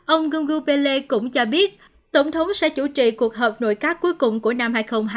ông gumbela cũng cho biết tổng thống sẽ chủ trị cuộc họp nội các cuối cùng của năm hai nghìn hai mươi một